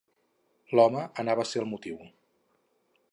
L'home anava a ser el motiu.